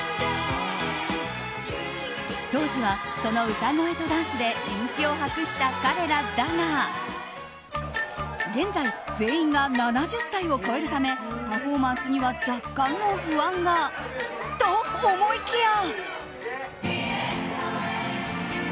当時は、その歌声とダンスで人気を博した彼らだが現在、全員が７０歳を超えるためパフォーマンスには若干の不安がと思いきや。